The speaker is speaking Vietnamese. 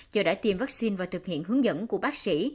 chờ đã tiêm vaccine và thực hiện hướng dẫn của bác sĩ